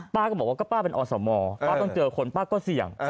ป้าก็บอกว่าก็ป้าเป็นอสมป้าต้องเจอคนป้าก็เสี่ยง